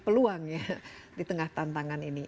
peluang ya di tengah tantangan ini